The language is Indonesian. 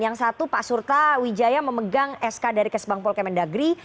yang satu pak surta wijaya memegang sk dari kesbangpol kemendagri